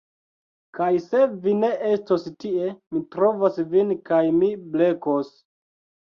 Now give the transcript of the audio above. Kaj se vi ne estos tie mi trovos vin kaj mi blekos